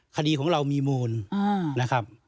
คดีของเรามีมูลนะครับ